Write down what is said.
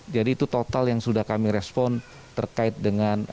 jadi itu total yang sudah kami respon terkait dengan